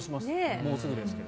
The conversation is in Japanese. もうすぐですけど。